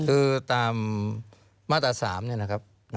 คือตามมาตรา๓เนี่ยนะครับ